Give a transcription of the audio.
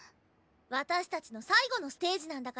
私たちの最後のステージなんだから。